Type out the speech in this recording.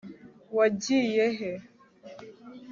wagiye he